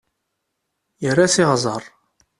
Yerra s iɣẓer.